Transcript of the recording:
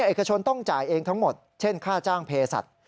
เอกชนต้องจ่ายเองทั้งหมดเช่นค่าจ้างเพศัตริย์